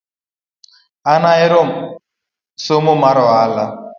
An ahero somo mar ohala